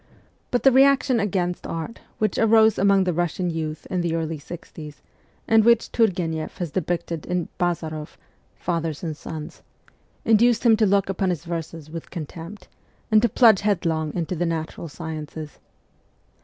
But the reaction against art, which arose among the Russian youth in the early sixties, and which Turgueneff has depicted in 'Bazaroff' (Fathers and Sons), induced him to look upon his verses with contempt, and to plunge headlong into the natural sciences.